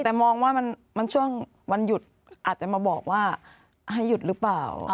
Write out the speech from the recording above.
แต่มองว่ามันช่วงวันหยุดอาจจะมาบอกว่าให้หยุดหรือเปล่า